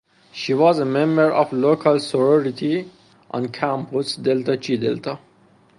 She was a member of a local sorority on campus, Delta Chi Delta.